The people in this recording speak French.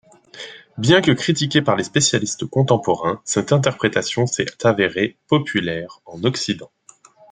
Bien que critiquée par les spécialistes contemporains, cette interprétation s’est avérée populaire en Occident.